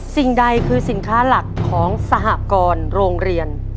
สิ่งใดคือสินค้าหลักของสหกรโรงเรียน